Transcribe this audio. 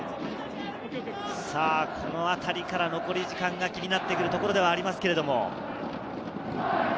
このあたりから残り時間が気になってくるところではあります。